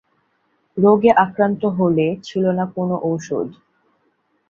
রোগে আক্রান্ত হলে ছিল না কোন ঔষধ।